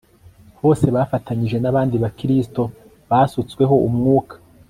hose bafatanyije n abandi bakristo basutsweho umwuka